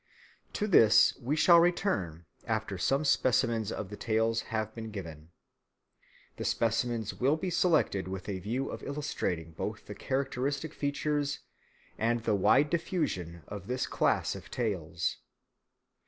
To this we shall return after some specimens of the tales have been given. The specimens will be selected with a view of illustrating both the characteristic features and the wide diffusion of this class of tales.